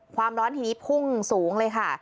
ความร้อนทีนี้พุ่งสูงเลยค่ะ